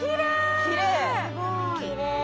きれい。